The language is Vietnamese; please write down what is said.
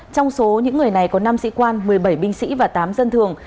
trong số những người này có năm sĩ quan một mươi bảy binh sĩ và tám dân thường